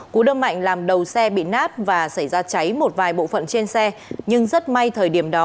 cú đâm mạnh làm đầu xe bị nát và xảy ra cháy một vài bộ phận trên xe nhưng rất may thời điểm đó